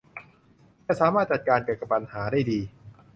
จะสามารถจัดการกับปัญหาได้ดี